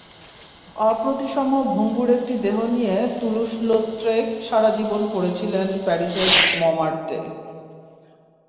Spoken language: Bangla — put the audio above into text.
অপ্রতিসম ভঙ্গুর একটি দেহ নিয়ে তুলুস লোত্রেক সারা জীবন পড়েছিলেন প্যারিসের মঁমার্তে।